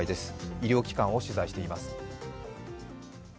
医療機関を取材しています。